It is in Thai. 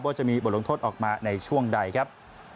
จะมีบทลงโทษออกมาในช่วงใดครับ